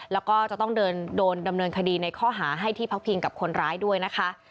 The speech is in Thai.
แล้วก็จะต้องโดนดำเนินคดีในข้อหาให้ที่พักพิงกับคนร้ายด้วยนะคะ